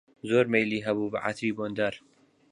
زۆر مەیلی هەبوو بە عەتری بۆندار